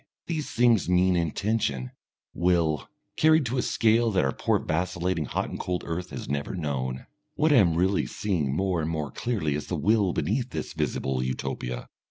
These things mean intention, will, carried to a scale that our poor vacillating, hot and cold earth has never known. What I am really seeing more and more clearly is the will beneath this visible Utopia.